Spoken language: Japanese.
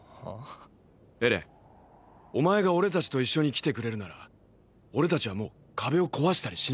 エレンお前が俺たちと一緒に来てくれるなら俺たちはもう壁を壊したりしなくていいんだ。